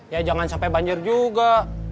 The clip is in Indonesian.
ya jangan sampai banjir juga